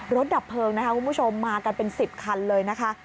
ดับเพลิงนะคะคุณผู้ชมมากันเป็น๑๐คันเลยนะคะ